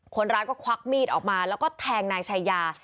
คนร้ายก็ควักมีดออกมาแล้วก็แทงนายชายา